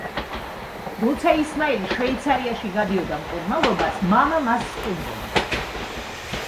როცა ისმაილი შვეიცარიაში გადიოდა მკურნალობას მამა მას სტუმრობდა.